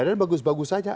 dan bagus bagus saja